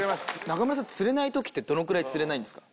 中村さん釣れないときってどのくらい釣れないんですか？